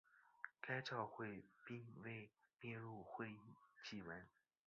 该照会并未列入会议记文。